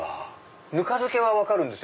ぬか漬けは分かるんです